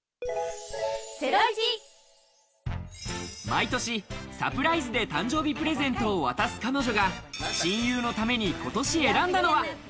毎年、サプライズで誕生日プレゼントを渡す彼女が親友のために今年選んだのは。